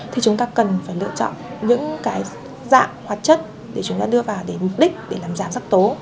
thì chúng ta cần phải lựa chọn những dạng hoạt chất để chúng ta đưa vào để mục đích làm giảm sắc tố